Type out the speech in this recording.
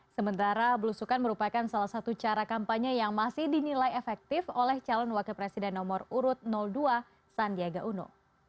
sementara belusukan merupakan salah satu cara kampanye yang masih dinilai efektif oleh calon wakil presiden nomor urut dua sandiaga uno